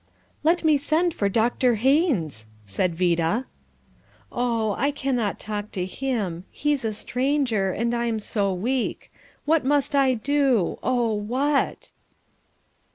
"Let me send for Dr. Hines," said Vida. "O I cannot talk to him. He's a stranger; and I'm so weak. What must I do, O what?"